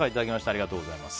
ありがとうございます。